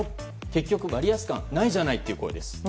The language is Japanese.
結局、割安感ないじゃないという声です。